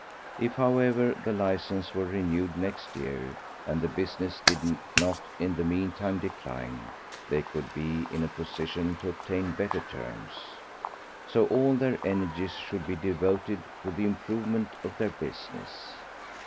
If, however, the licence were renewed next year, and the business did not in the meantime decline, they would be in a position to obtain better terms. So all their energies should be devoted to the improvement of their business.